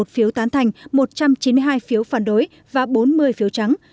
bốn trăm linh một phiếu tán thành một trăm chín mươi hai phiếu phản đối và bốn mươi phiếu trắng